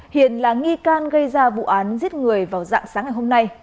hiền là nghi can gây ra vụ án giết người vào dạng sáng ngày hôm nay